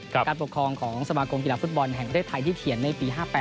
การปกครองของสมาคมกีฬาฟุตบอลแห่งประเทศไทยที่เขียนในปี๕๘